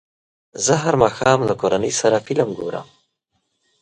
زه هر ماښام له کورنۍ سره فلم ګورم.